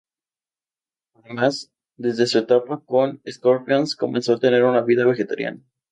Además, desde su etapa con Scorpions comenzó a tener una vida vegetariana.